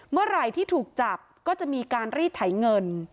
เมื่อไหร่ที่ถูกจับก็จะมีการรีดไถเงิน